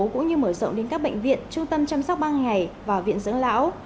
cũng như mở rộng đến các bệnh viện trung tâm chăm sóc ban ngày và viện dưỡng lão